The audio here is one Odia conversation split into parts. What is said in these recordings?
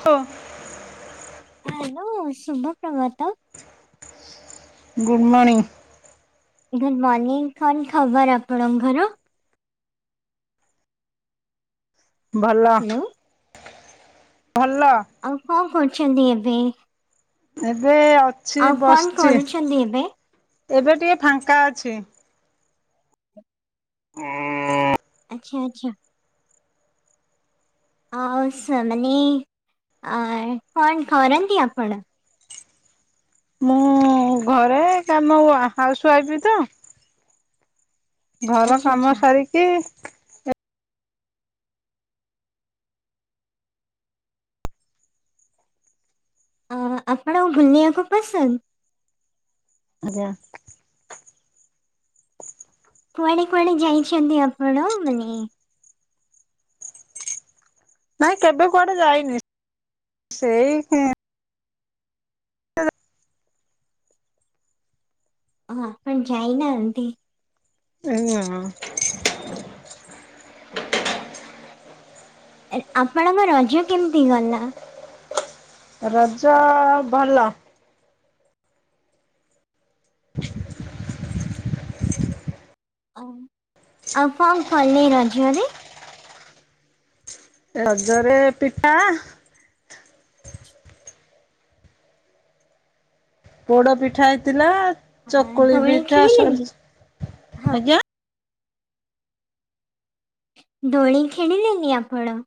ହଁ [unintelligible] ହ୍ୟାଲୋ ଶୁଭ ପ୍ରଭାତ। ଗୁଡ଼ମର୍ନିଂ। ଗୁଡ୍‌ ମର୍ଣିିଂ କଣ ଖବର ଆପଣଙ୍କର? ଭଲ ହ୍ୟାଲୋ ଭଲ। ଆଉ କଣ କରୁଛନ୍ତି ଏବେ? ଏବେ ଅଛି ଆଉ କଣ ବସିଛି, କରୁଛନ୍ତି ଏବେ? ଏବେ ଟିକେ ଫାଙ୍କା ଅଛି। [inaudible] ଆଚ୍ଛା, ଆଚ୍ଛା। ଆଉ ସେ ମାନେ ଆ କଣ କରନ୍ତି ଆପଣ? ମୁଁ ଘରେ କାମ ହାଉସ ୱାଇଫ ତ। ଘର ଆଚ୍ଛା କାମ ଆଚ୍ଛା ସାରିକି ଆଁ ଆପଣଙ୍କୁ ଘୁନିବାକୁ ପସନ୍ଦ। ଆଜ୍ଞା। କୁଆଡେ କୁଆଡେ ଯାଇଛନ୍ତି ଆପଣ? ମାନେ ନାଇଁ କେବେ କୁଆଡେ ଯାଇନି। ସେଇ [inaudible] ହଁ ଆପଣ ଯାଇନାହାନ୍ତି? ନାଁ। ଏ ଆପଣଙ୍କ ରଜ କେମିତି ଗଲା? ରଜ ଅ ଭଲ। [inaudible] ଓ ଆଉ କଣ କଲେ ରଜରେ? ରଜରେ ପିଠା ପୋଡ ପିଠା ହେଇଥିଲା, ଆ, ଚକୁଳି ଦୋଳି ପିଠା ସରୁ ଖେଳିଲେନି? ଚ ହଁ ଆଜ୍ଞା। ଦୋଳି ଖେଳିଲେନି ଆପଣ?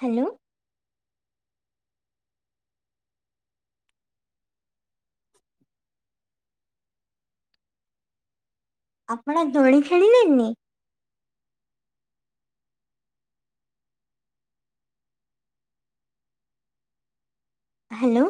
ହ୍ୟାଲୋ! ଆପଣ ଦୋଳି ଖେଳିଲେନି? ହ୍ୟାଲୋ!